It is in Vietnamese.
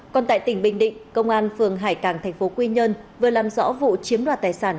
còn tại tỉnh bình định công an phường hải càng thành phố quy nhơn vừa làm rõ vụ chiếm đoạt tài sản